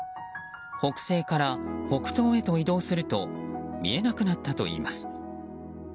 北西から北東へと移動すると見えなくなったといいます。